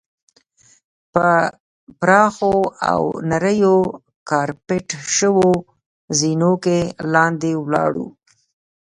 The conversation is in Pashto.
په پراخو او نریو کارپیټ شوو زینو کې لاندې ولاړو.